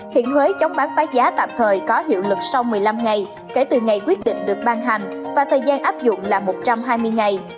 hiện thuế chống bán phá giá tạm thời có hiệu lực sau một mươi năm ngày kể từ ngày quyết định được ban hành và thời gian áp dụng là một trăm hai mươi ngày